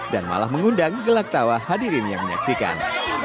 dan malah mengundang gelak tawa hadirin yang menyaksikan